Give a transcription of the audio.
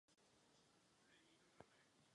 Pro psaní zaměstnával asistenty.